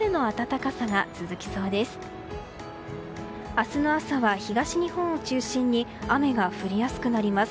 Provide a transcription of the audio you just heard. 明日の朝は東日本を中心に雨が降りやすくなります。